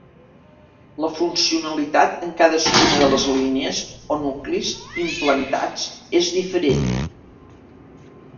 La funcionalitat en cadascuna de les línies o nuclis implantats és diferent.